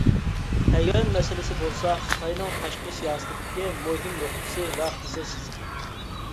تەيۋەن مەسىلىسى بولسا خىتاينىڭ تاشقى سىياسىتىدىكى مۇھىم نۇقتىسى ۋە قىزىل سىزىقى.